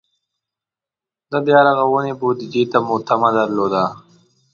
د بیا رغونې بودجې ته مو تمه درلوده.